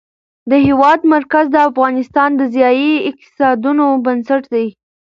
د هېواد مرکز د افغانستان د ځایي اقتصادونو بنسټ دی.